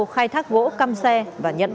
khai thác gỗ cam xe và nhận